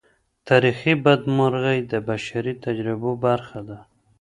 تاریخي بدمرغۍ د بشري تجربو برخه ده.